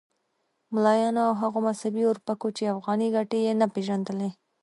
ملایانو او هغو مذهبي اورپکو چې افغاني ګټې یې نه پېژندلې.